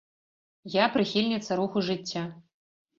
Я прыхільніца руху жыцця.